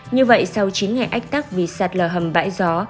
như vậy sau chín ngày ách tắc vì sạt lở hầm bãi gió